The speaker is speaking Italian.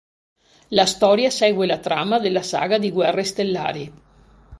La storia segue la trama della saga di "Guerre stellari".